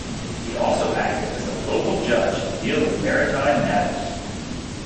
He also acted as a local judge to deal with maritime matters.